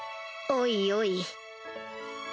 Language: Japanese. おいおい